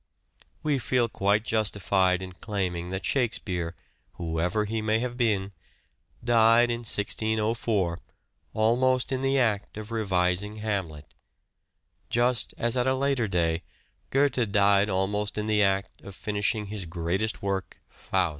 We feel quite justified in claiming that ' Shakespeare,' whoever he may have been, died in 1604 almost in the act of revising ' Hamlet,' just as at a later day Goethe died almost in the act of finishing his greatest work ' Faust.'